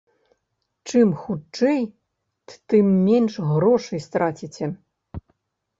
Чым хутчэй, тым менш грошай страціце.